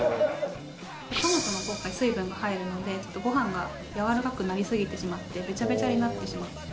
トマトの今回水分が入るのでちょっとご飯がやわらかくなりすぎてしまってベチャベチャになってしまう。